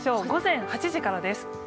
午前８時からです。